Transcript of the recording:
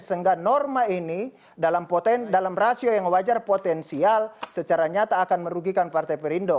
sehingga norma ini dalam rasio yang wajar potensial secara nyata akan merugikan partai perindo